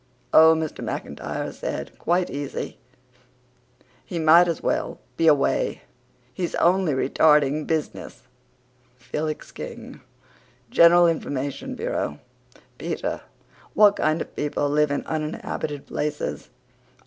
"Oh," Mr. McIntyre said, quite easy, "he might as weel be awa'. He's only retarding buzziness." FELIX KING. GENERAL INFORMATION BUREAU P t r. What kind of people live in uninhabited places?